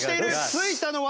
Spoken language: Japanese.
ついたのは？